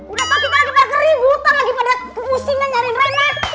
udah tahu kita lagi pada keributan lagi pada kemusikan nyariin rena